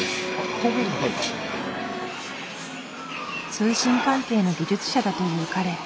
通信関係の技術者だという彼。